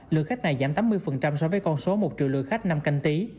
lượng khách này giảm tám mươi so với con số một triệu lượt khách năm canh tí